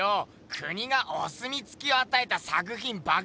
国がおすみつきをあたえた作品ばかり。